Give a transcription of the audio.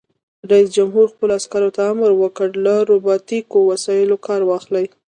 رئیس جمهور خپلو عسکرو ته امر وکړ؛ له روباټیکو وسایلو کار واخلئ!